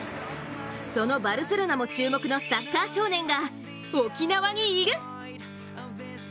そのバルセロナも注目のサッカー少年が沖縄にいる。